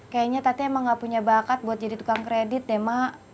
kayaknya tati emang gak punya bakat buat jadi tukang kredit deh mak